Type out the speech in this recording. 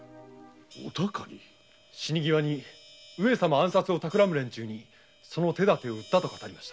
死に際に上様暗殺を企む連中にその手だてを売ったと語りました。